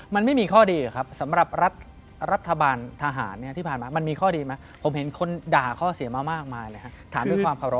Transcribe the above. มันไม่มีข้อดีหรือครับสำหรับรัฐบาลทหารที่ผ่านมามันมีข้อดีไหมผมเห็นคนด่าข้อเสียมากเลยครับถามด้วยความขอบรบ